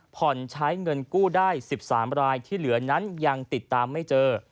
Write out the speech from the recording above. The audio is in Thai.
ใช้เงินกู้ได้๑๓รายที่เหลือนั้นยังติดตามไม่เจอ